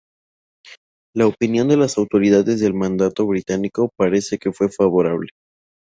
La opinión de las las autoridades del Mandato británico parece que fue favorable.